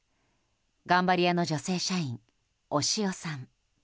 頑張り屋の女性社員・押尾さん